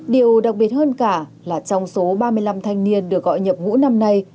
điều đặc biệt hơn cả là trong số ba mươi năm thanh niên được gọi nhập ngũ năm nay